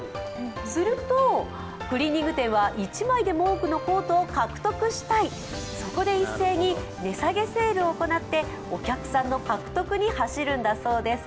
するとクリーニング店は、１枚でも多くのコートを獲得したい、そこで一斉に値下げセールを行ってお客さんの獲得に走るんだそうです。